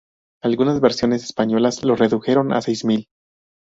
Algunas versiones españolas los reducen a seis mil.